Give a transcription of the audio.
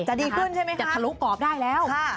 จะดีขึ้นใช่ไหมคะจะทะลุกอบได้แล้ว